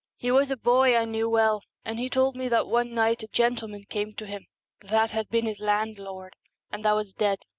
He was a boy I knew well, and he told me that one night a gentleman came to him, that had been his landlord, and that was dead.